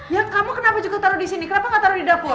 ya kamu kenapa juga taruh disini kenapa gak taruh di dapur